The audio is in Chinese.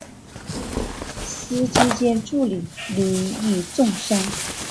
司机兼助理亦重伤。